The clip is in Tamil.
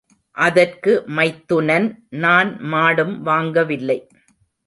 அதற்கு மைத்துனன், நான் மாடும் வாங்கவில்லை.